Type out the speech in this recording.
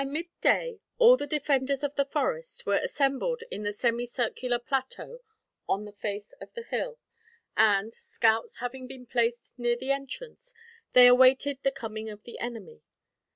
By midday, all the defenders of the forest were assembled in the semi circular plateau on the face of the hill; and, scouts having been placed near the entrance, they awaited the coming of the enemy.